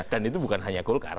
dan itu bukan hanya golkar